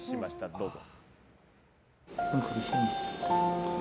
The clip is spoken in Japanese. どうぞ。